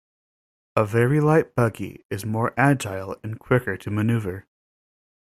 A very light buggy is more agile and quicker to manoeuvre.